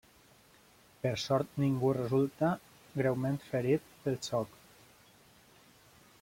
Per sort, ningú resulta greument ferit pel xoc.